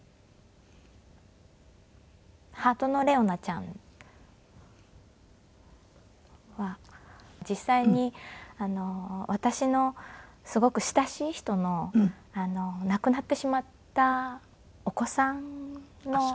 ハートのレオナちゃんは実際に私のすごく親しい人の亡くなってしまったお子さんの名前がレオナちゃんで。